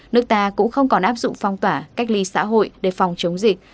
nước ta cũng không còn áp dụng phong tỏa cách ly xã hội để phòng chống dịch